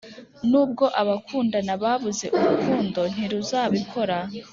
nubwo abakundana babuze urukundo ntiruzabikora;